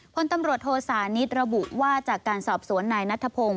พลตำรวจโทษานิทระบุว่าจากการสอบสวนนายนัทพงศ์